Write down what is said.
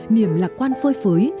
niềm lạc quan phơi phới